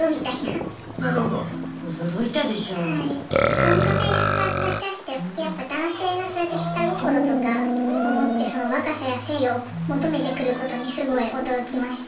コンカフェで働きだしてやっぱ男性がそうやって下心とかを持ってその若さや性を求めてくることにすごい驚きました。